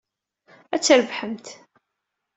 Ad trebḥemt.